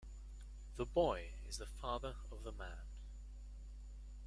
The boy is the father of the man.